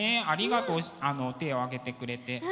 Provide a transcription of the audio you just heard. ありがとう手を挙げてくれて。